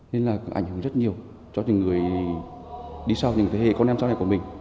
nên là ảnh hưởng rất nhiều cho những người đi sau những thế hệ con em sau này của mình